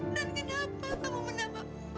dan kenapa kamu menambahku